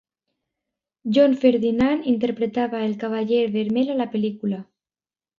John Ferdinand interpretava el Cavaller vermell a la pel·lícula.